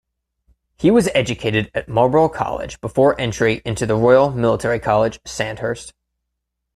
He was educated at Marlborough College, before entry into the Royal Military College, Sandhurst.